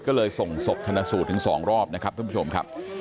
ก็เลยส่งศพธนสูตรถึง๒รอบนะครับท่านผู้ชมครับ